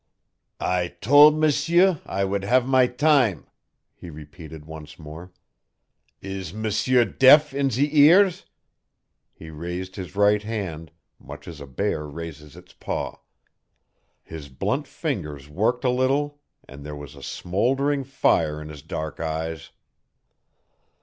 "I tol' M'sieur I would have my time," he repeated once more. "Is M'sieur deaf in zee ears?" He raised his right hand, much as a bear raises its paw; his blunt fingers worked a little and there was a smoldering fire in his dark eyes.